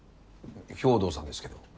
豹堂さんですけど。